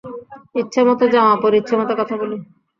ইচ্ছামতো জামা পরি, ইচ্ছামতো কথা বলি।